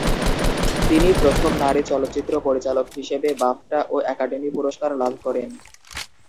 তিনি প্রথম নারী চলচ্চিত্র পরিচালক হিসেবে বাফটা ও একাডেমি পুরস্কার লাভ করেন।